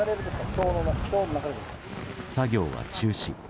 作業は中止。